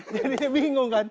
jadinya bingung kan